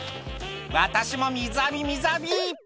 「私も水浴び水浴び」